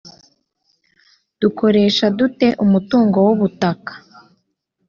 Dukoresha dute umutungo w’ubutaka